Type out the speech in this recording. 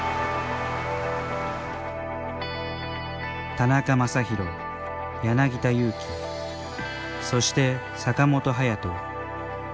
田中将大、柳田悠岐そして、坂本勇人。